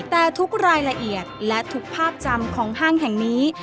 แต่ทุกรายละเอียดและทุกภาพจำของห้างแห่งนี้